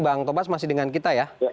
bang tobas masih dengan kita ya